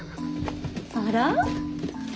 ・あら？